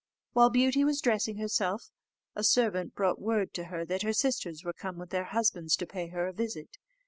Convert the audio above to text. While Beauty was dressing herself, a servant brought word to her that her sisters were come with their husbands to pay her a visit.